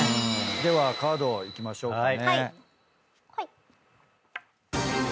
ではカードいきましょうかね。